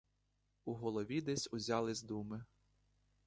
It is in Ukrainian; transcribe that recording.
У голові десь узялись думи.